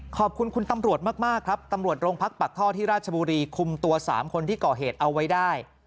ขอบคุณคุณตำรวจมากครับตำรวจโรงพักปากท่อที่ราชบุรีคุมตัว๓คนที่ก่อเหตุเอาไว้ได้